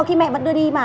mà khi mẹ vẫn đưa đi mà